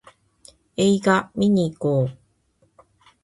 映画見にいこう